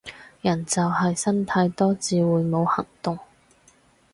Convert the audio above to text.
人就係呻太多至會冇行動